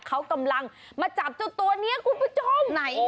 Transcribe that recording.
เขากำลังมาจับเจ้าตัวนี้คุณผู้ชมไหน